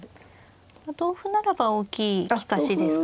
同歩ならば大きい利かしですか。